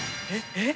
えっ！？